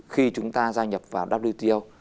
khi chúng ta gia nhập vào wto